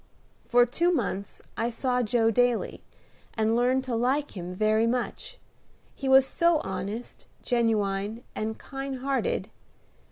For two months I saw Joe daily, and learned to like him very much, he was so honest, genuine, and kind hearted.